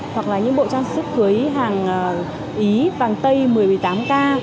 hoặc là những bộ trang sức cưới hàng ý vàng tây một mươi tám k